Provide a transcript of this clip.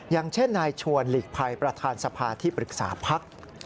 อย่างเช่นนายชวนหลีกภัยประธานสภาที่ปรึกษาพัก